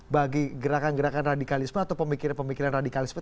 bagi gerakan gerakan radikalisme atau pemikiran pemikiran radikalisme